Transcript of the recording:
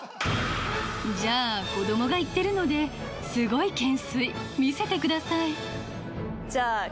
じゃあこどもが言ってるのですごい懸垂見せてください